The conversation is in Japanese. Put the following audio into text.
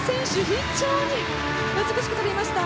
非常に難しく跳びました。